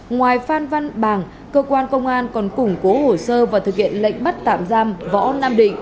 ngoài phan văn bàng cơ quan công an còn củng cố hồ sơ và thực hiện lệnh bắt tạm giam võ nam định